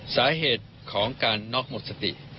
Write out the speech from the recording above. สาเหตุของการนอกหมดเสร็จติด